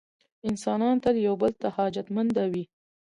انسانان تل یو بل ته حاجتمنده وي.